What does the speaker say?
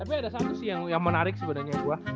tapi ada satu sih yang menarik sebenernya gua